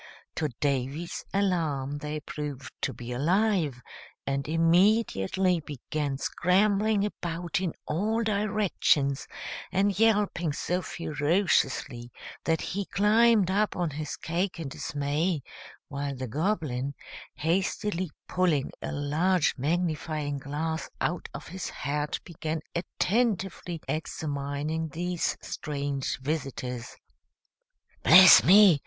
To Davy's alarm they proved to be alive, and immediately began scrambling about in all directions, and yelping so ferociously that he climbed up on his cake in dismay, while the Goblin, hastily pulling a large magnifying glass out of his hat, began attentively examining these strange visitors. "Bless me!"